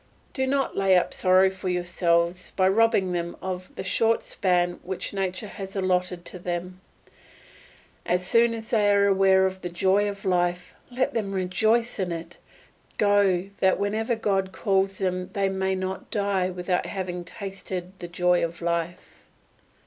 Do not lay up sorrow for yourselves by robbing them of the short span which nature has allotted to them. As soon as they are aware of the joy of life, let them rejoice in it, go that whenever God calls them they may not die without having tasted the joy of life.